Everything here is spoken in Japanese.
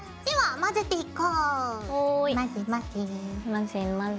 混ぜ混ぜ。